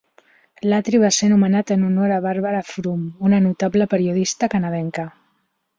L'atri va ser nomenat en honor a Barbara Frum, una notable periodista canadenca.